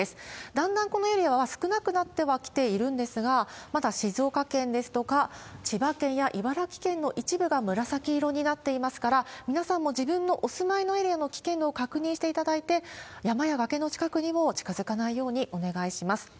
だんだんこのエリアは少なくなってはきているんですが、まだ静岡県ですとか、千葉県や茨城県の一部が紫色になっていますから、皆さんも自分のお住まいのエリアの危険度を確認していただいて、山や崖の近くにも近づかないようにお願いします。